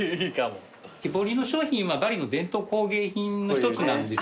木彫りの商品はバリの伝統工芸品の１つなんですよね。